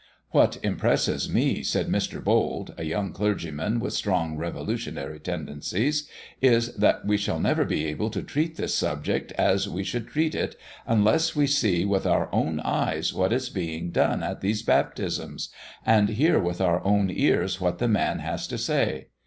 "What impresses me," said Mr. Bold, a young clergyman with strong revolutionary tendencies, "is that we shall never be able to treat this subject as we should treat it unless we see with our own eyes what is being done at these baptisms, and hear with our own ears what the man has to say.